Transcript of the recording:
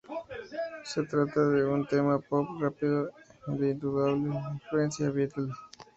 Se trata de un tema pop rápido, de indudable influencia beatle.